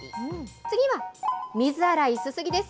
次は水洗い、すすぎです。